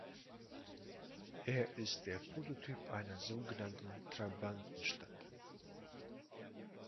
Er ist der Prototyp einer sogenannten Trabantenstadt.